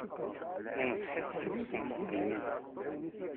Yenṣeḥ-itt ad tessenqes lmizan.